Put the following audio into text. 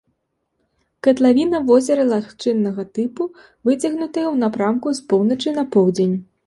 Катлавіна возера лагчыннага тыпу, выцягнутая ў напрамку з поўначы на поўдзень.